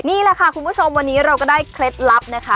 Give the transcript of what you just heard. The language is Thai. นี่แหละค่ะคุณผู้ชมวันนี้เราก็ได้เคล็ดลับนะคะ